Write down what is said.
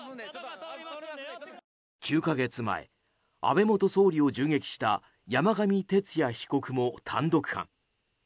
９か月前、安倍元総理を銃撃した山上徹也被告も、単独犯。